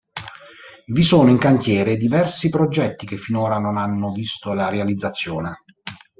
Vi sono in cantiere diversi progetti che finora non hanno visto la realizzazione.